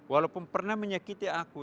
walaupun pernah menyakiti aku